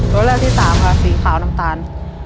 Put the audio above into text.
ตัวเลือกที่สามค่ะสีขาวน้ำตาล